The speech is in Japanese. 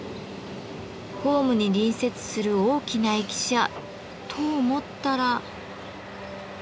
ホームに隣接する大きな駅舎と思ったら。